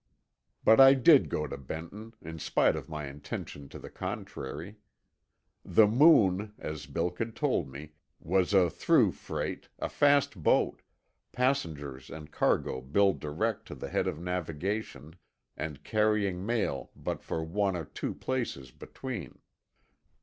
But I did go to Benton, in spite of my intention to the contrary. The Moon, as Bilk had told me, was a through freight, a fast boat, passengers and cargo billed direct to the head of navigation, and carrying mail for but one or two places between.